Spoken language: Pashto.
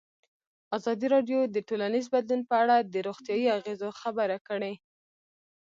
ازادي راډیو د ټولنیز بدلون په اړه د روغتیایي اغېزو خبره کړې.